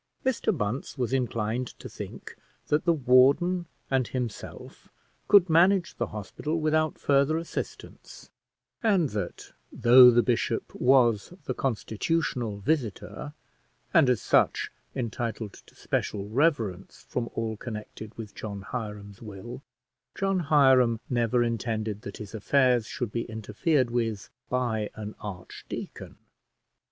Mr Bunce was inclined to think that the warden and himself could manage the hospital without further assistance; and that, though the bishop was the constitutional visitor, and as such entitled to special reverence from all connected with John Hiram's will, John Hiram never intended that his affairs should be interfered with by an archdeacon.